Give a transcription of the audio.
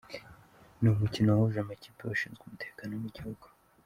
Ni umukino wahuje amakipe y’abashinzwe umutekano mu gihugu